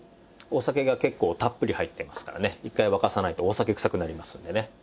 お酒が結構たっぷり入ってますからね一回沸かさないとお酒臭くなりますのでね。